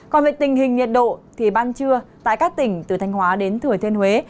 còn về tình hình nhiệt độ thì ban trưa tại các tỉnh từ thanh hóa đến thừa thiên huế